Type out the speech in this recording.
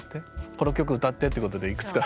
この曲歌ってってことでいくつか。